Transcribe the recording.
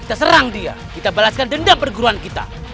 kita serang dia kita balaskan denda perguruan kita